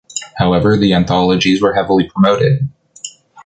However, the anthologies were heavily promoted.